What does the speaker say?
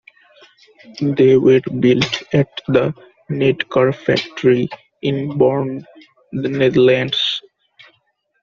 They were built at the NedCar factory in Born, The Netherlands.